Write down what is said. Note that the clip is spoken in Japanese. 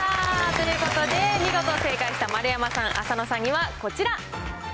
ということで、見事正解した丸山さん、浅野さんには、こちら。